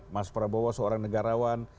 mas prabowo seorang negarawan